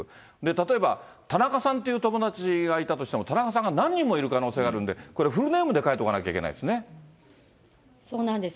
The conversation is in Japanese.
例えばたなかさんっていう友達がいたとしても、田中さんが何人もいる可能性があるんで、これ、フルネームで書いそうなんです。